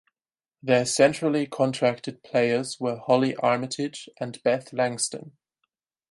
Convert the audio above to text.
Their centrally contracted players were Hollie Armitage and Beth Langston.